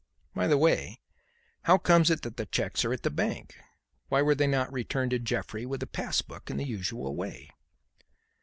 "By the way, how comes it that the cheques are at the bank? Why were they not returned to Jeffrey with the pass book in the usual way?"